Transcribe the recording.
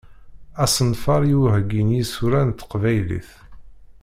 Asenfar i uheggi n yisura n teqbaylit.